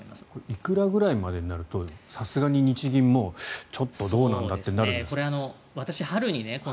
いくらぐらいまでになるとさすがに日銀もちょっとどうなんだってなるんですか？